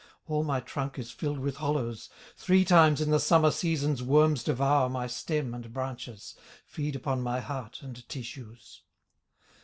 All my trunk is filled with hollows, Three times in the summer seasons Worms devour my stem and branches, Feed upon my heart and tissues."